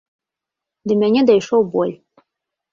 Да мяне дайшоў боль.